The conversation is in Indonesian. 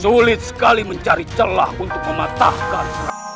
sulit sekali mencari celah untuk mematahkan